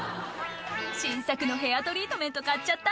「新作のヘアトリートメント買っちゃった」